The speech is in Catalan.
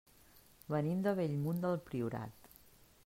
Venim de Bellmunt del Priorat.